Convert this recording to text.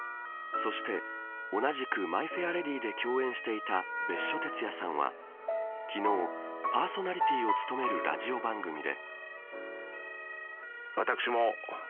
そして同じくマイ・フェア・レディで共演していた別所哲也さんは、昨日パーソナリティーを務めるラジオ番組で。